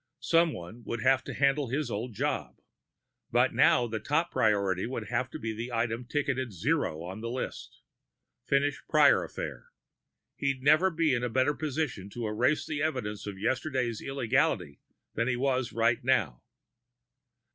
Someone would have to handle his old job. But now, top priority went to the item ticketed zero on the list: Finish Prior affair. He'd never be in a better position to erase the evidence of yesterday's illegality than he was right now.